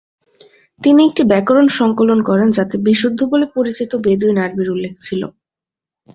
তিনি একটি ব্যাকরণ সংকলন করেন যাতে বিশুদ্ধ বলে পরিচিত বেদুইন আরবির উল্লেখ ছিল।